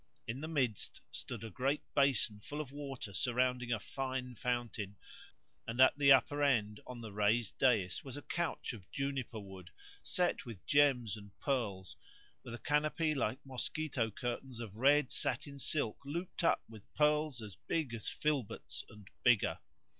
In the midst stood a great basin full of water surrounding a fine fountain, and at the upper end on the raised dais was a couch of juniper wood set with gems and pearls, with a canopy like mosquito curtains of red satin silk looped up with pearls as big as filberts and bigger.